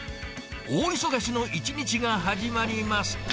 大忙しの一日が始まります。